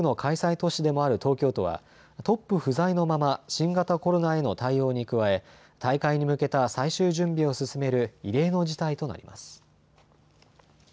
都市でもある東京都はトップ不在のまま、新型コロナへの対応に加え大会に向けた最終準備を進める異例の事態となります。